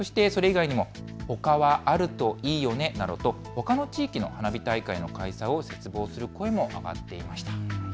ほかは、あるといいよねなどとほかの地域の花火大会の開催を切望する声も上がっていました。